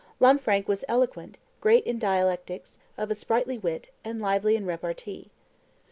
Lanfranc was eloquent, great in dialectics, of a sprightly wit, and lively in repartee.